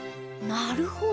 なるほど。